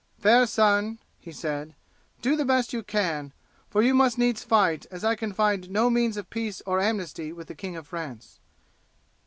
"Fair son," he said, "do the best you can, for you must needs fight, as I can find no means of peace or amnesty with the King of France."